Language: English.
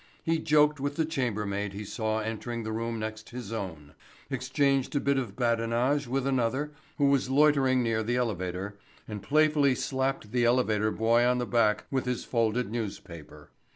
He joked with the chambermaid he saw entering the room next his own; exchanged a bit of badinage with another who was loitering near the elevator, and playfully slapped the elevator boy on the back with his folded newspaper.